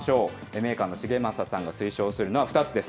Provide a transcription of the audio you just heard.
メーカーの重政さんが推奨するのは２つです。